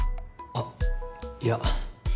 あっいや